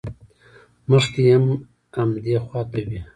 مخ دې هم همدې خوا ته وي.